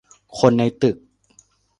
คนในตึก